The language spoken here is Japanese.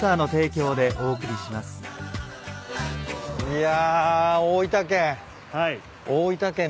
いや大分県。